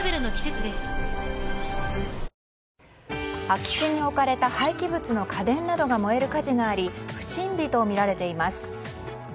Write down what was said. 空き地に置かれた、廃棄物の家電などが燃える火事があり不審火とみられています。